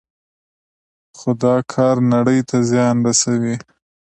خو دا کار نړۍ ته زیان رسوي.